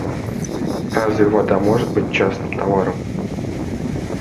Разве вода может быть частным товаром?